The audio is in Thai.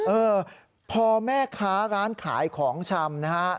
เออพอแม่ค้าร้านขายของชำนะฮะ